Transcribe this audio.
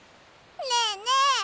ねえねえ